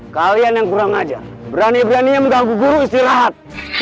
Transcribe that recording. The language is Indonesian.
kalian yang kurang aja berani beraninya mengganggu guru istirahat